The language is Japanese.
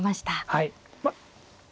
はい。